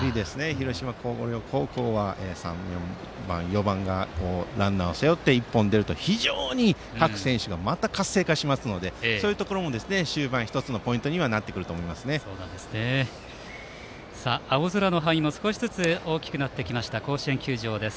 広島・広陵高校は３番、４番がランナーを背負って１本出ると非常に各選手がまた活性化しますのでそういうところも終盤の青空の範囲も少しずつ大きくなってきました甲子園球場です。